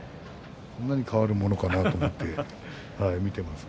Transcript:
こんなに変わるものかなと思って見ています。